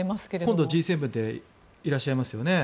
今度、Ｇ７でいらっしゃいますよね。